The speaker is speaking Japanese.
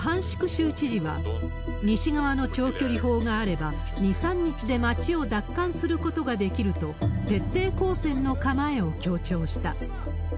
州知事は、西側の長距離砲があれば、２、３日で町を奪還することができると、徹底抗戦の構えを強調した。